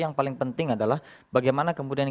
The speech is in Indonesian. yang paling penting adalah bagaimana kemudian